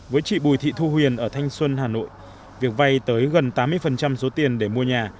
với chị bùi thị thu huyền ở thanh xuân hà nội việc vay tới gần tám mươi số tiền để mua nhà